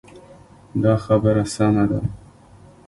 دا خبره سمه ده.